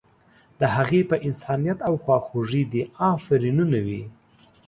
د هغې په انسانیت او خواخوږۍ دې افرینونه وي.